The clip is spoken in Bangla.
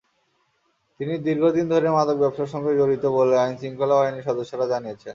তিনি দীর্ঘদিন ধরে মাদক ব্যবসার সঙ্গে জড়িত বলে আইনশৃঙ্খলা বাহিনীর সদস্যরা জানিয়েছেন।